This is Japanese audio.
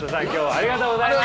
ありがとうございます。